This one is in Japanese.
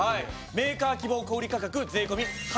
メーカー希望小売価格税込８６９６円。